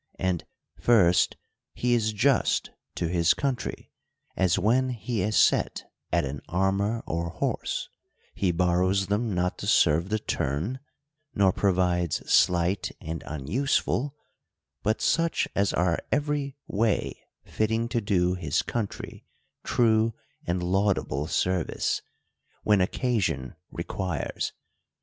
And, First, he is just to his country ; as when he is set at an armor or horse, he borrows them not to serve the turn, nor provides slight and unuseful, but such as are every way fitting to do his country true and laudable senice, when occasion requires.